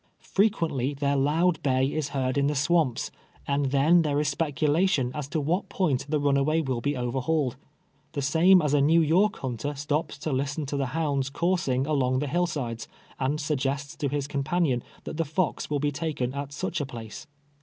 Fre qnently their lond Lav is beard in tlie swamps, and then there is specnlation as to what point the rnnaway will be overhauled — the same as a iSTew York hunter stops to listen to the hounds coursing along the hill sides, and suggests to his companion that the fox will be taken at such a place.